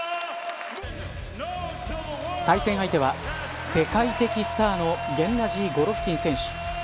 対戦相手は世界的スターのゲンナジー・ゴロフキン選手。